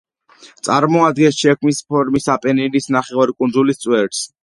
წარმოადგენს ჩექმის ფორმის აპენინის ნახევარკუნძულის „წვერს“.